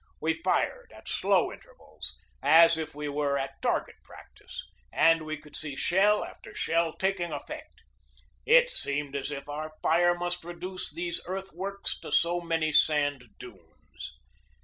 We fired at slow intervals, as if we were at target practice, and we could see shell after shell taking effect. It seemed as if our fire must reduce these earthworks to so many sand dunes.